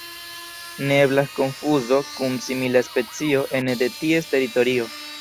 Ne eblas konfuzo kun simila specio ene de ties teritorio.